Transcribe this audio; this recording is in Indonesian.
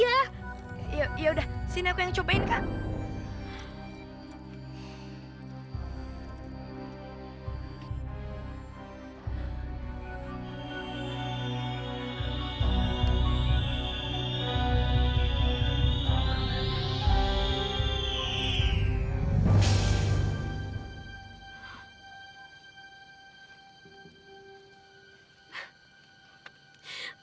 yaudah sini aku yang cobain kak